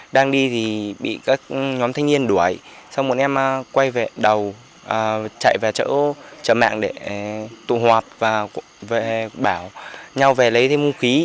đang đi thì bị các nhóm thanh niên đuổi xong một em quay về đầu chạy về chợ mạng để tụ hoạt và bảo nhau về lấy thêm hung khí